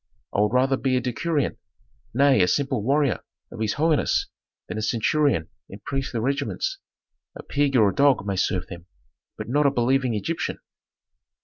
I would rather be a decurion, nay a simple warrior of his holiness than a centurion in priestly regiments; a pig or a dog may serve them, but not a believing Egyptian!"